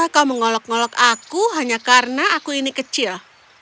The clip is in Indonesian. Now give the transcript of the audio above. kau mengolok ngolok aku hanya karena aku ini kecil